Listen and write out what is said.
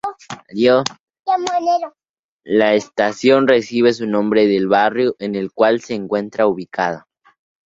La estación recibe su nombre del barrio en el cual se encuentra ubicada.